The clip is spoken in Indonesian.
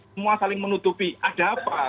semua saling menutupi ada apa